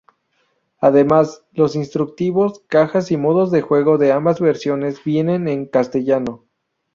Además, los instructivos, cajas y modos de juego de ambas versiones vienen en castellano.